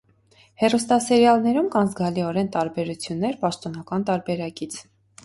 Հեռուստասերիալում կան զգալիորեն տարբերություններ պաշտոնական տարբերակից։